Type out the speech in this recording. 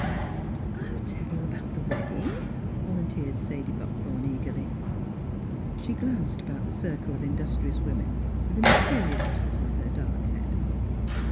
" I'll tell you about the wedding," vol unteered Sadie Buckthorn eagerly. She glanced about the circle of indus trious women with an imperious toss of her dark head.